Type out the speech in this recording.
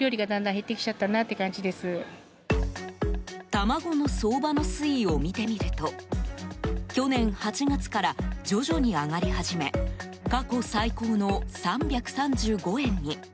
卵の相場の推移を見てみると去年８月から徐々に上がり始め過去最高の３３５円に。